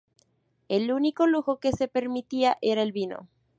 El único lujo que se permitía era el vino.